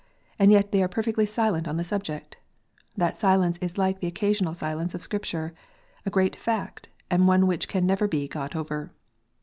And yet they are perfectly silent on the subject ! That silence is like the occasional silence of Scripture, a great fact, and one which can never be got over.